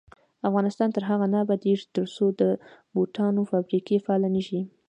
افغانستان تر هغو نه ابادیږي، ترڅو د بوټانو فابریکې فعالې نشي.